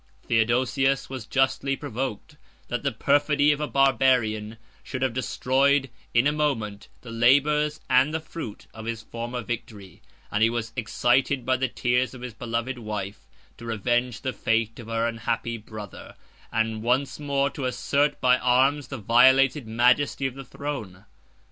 110 Theodosius was justly provoked, that the perfidy of a Barbarian, should have destroyed, in a moment, the labors, and the fruit, of his former victory; and he was excited by the tears of his beloved wife, 111 to revenge the fate of her unhappy brother, and once more to assert by arms the violated majesty of the throne.